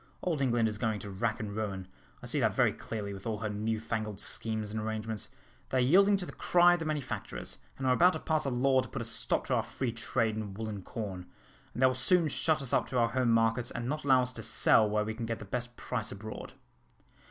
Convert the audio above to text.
Old England is going to rack and ruin, I see that very clearly, with all her new fangled schemes and arrangements. They are yielding to the cry of the manufacturers, and are about to pass a law to put a stop to our free trade in wool and corn; and they will soon shut us up to our home markets, and not allow us to sell where we can get the best price abroad."